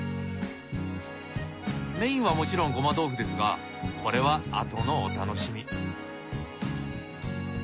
メインはもちろんごま豆腐ですがこれはあとのお楽しみ。